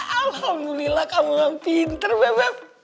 alhamdulillah kamu nggak pinter beb